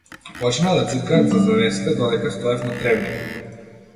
Почнаа да ѕиркаат зад завесите додека стоев на тревникот.